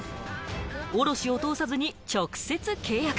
卸を通さずに直接、契約。